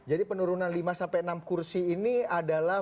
jadi penurunan lima enam kursi ini adalah